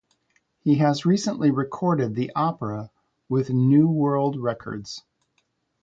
He has recently recorded the opera with new world records.